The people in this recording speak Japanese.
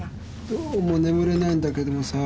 どうも眠れないんだけどもさぁ。